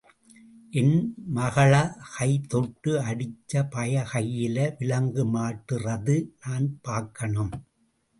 என் மகள கை தொட்டு அடிச்ச பய கையில விலங்கு மாட்டுறத நான் பாக்கணும்.